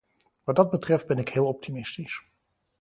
Wat dat betreft ben ik heel optimistisch.